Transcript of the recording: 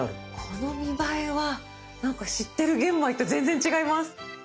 この見栄えは知ってる玄米と全然違います。